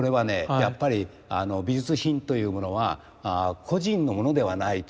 やっぱり美術品というものは個人のものではないと。